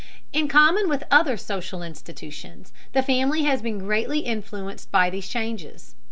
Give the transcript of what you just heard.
In common with other social institutions, the family has been greatly influenced by these changes.